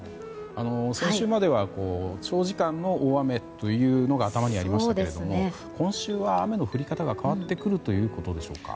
先週までは長時間の大雨というのが頭にありましたが今週は雨の降り方が変わってくるということでしょうか。